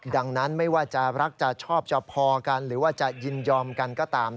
ดังนั้นไม่ว่าจะรักจะชอบจะพอกันหรือว่าจะยินยอมกันก็ตาม